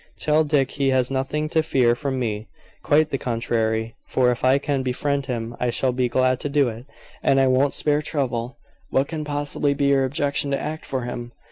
Tell Dick he has nothing to fear from me. Quite the contrary; for if I can befriend him, I shall be glad to do it, and I won't spare trouble. What can possibly be your objection to act for him?"